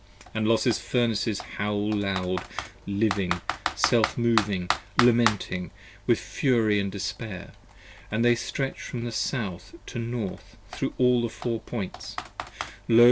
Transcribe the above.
And Los's Furnaces howl loud, living, self moving, lamenting With fury & despair, & they stretch from South to North Thro' all the Four Points: Lo!